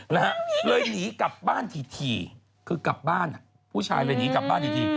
นะฮะเลยหนีกลับบ้านถี่คือกลับบ้านอ่ะผู้ชายเลยหนีกลับบ้านดีที